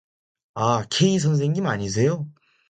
"아, K선생님 아니세요?"